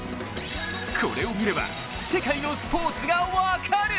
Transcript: これを見れば世界のスポーツが分かる！